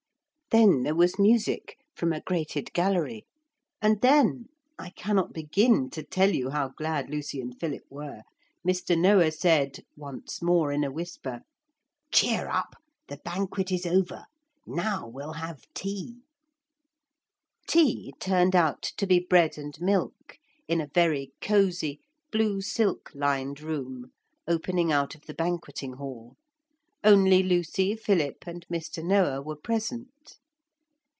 Then there was music, from a grated gallery. And then I cannot begin to tell you how glad Lucy and Philip were Mr. Noah said, once more in a whisper, 'Cheer up! the banquet is over. Now we'll have tea.' 'Tea' turned out to be bread and milk in a very cosy, blue silk lined room opening out of the banqueting hall. Only Lucy, Philip and Mr. Noah were present.